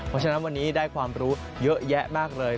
เพราะฉะนั้นวันนี้ได้ความรู้เยอะแยะมากเลย